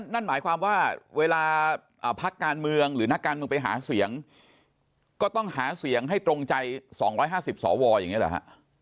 นั่นหมายความว่าเวลาพักการเมืองหรือนักการเมืองไปหาเสียงก็ต้องหาเสียงให้ตรงใจ๒๕๐สวอย่างนี้เหรอฮะ